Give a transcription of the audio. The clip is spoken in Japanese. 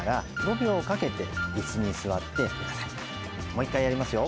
もう１回やりますよ。